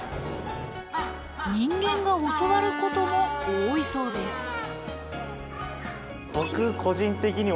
人間が教わることも多いそうです。